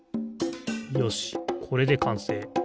よしこれでかんせい。